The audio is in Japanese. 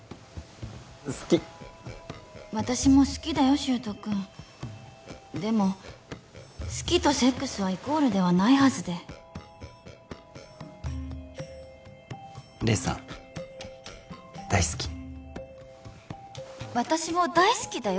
柊人君でも好きとセックスはイコールではないはずで黎さん大好き私も大好きだよ